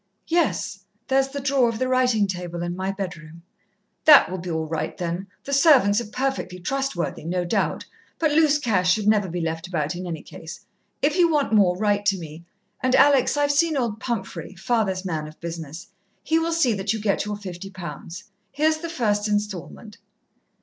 "Yes, there's the drawer of the writing table in my bedroom." "That will be all right, then. The servants are perfectly trustworthy, no doubt, but loose cash should never be left about in any case if you want more, write to me. And, Alex, I've seen old Pumphrey father's man of business. He will see that you get your fifty pounds. Here is the first instalment."